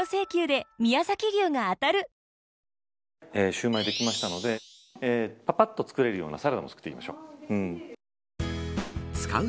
シューマイ、できましたのでぱぱっと作れるようなサラダを作っていきましょう。